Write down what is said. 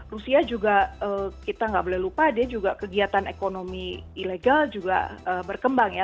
rusia juga kita nggak boleh lupa dia juga kegiatan ekonomi ilegal juga berkembang ya